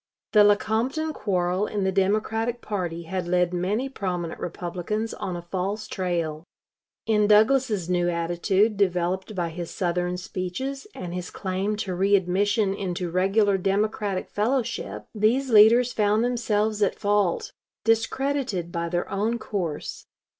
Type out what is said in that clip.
The Lecompton quarrel in the Democratic party had led many prominent Republicans on a false trail. In Douglas's new attitude, developed by his Southern speeches and his claim to readmission into regular Democratic fellowship, these leaders found themselves at fault, discredited by their own course.